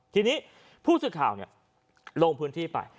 ทีนี้ผู้สื่อข่าวลงพื้นที่ไป